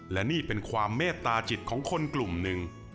และนี่เป็นความเมตตาจิตของคนกลุ่มหนึ่ง